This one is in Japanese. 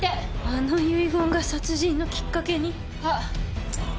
あの遺言が殺人のきっかけに？